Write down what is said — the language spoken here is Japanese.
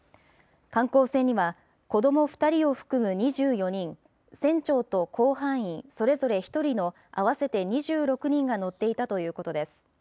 観光船には、子ども２人を含む２４人、船長と甲板員それぞれ１人の合わせて２６人が乗っていたということです。